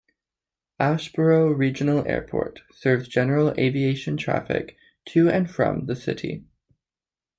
Asheboro Regional Airport serves general aviation traffic to and from the city.